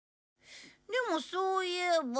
でもそういえば。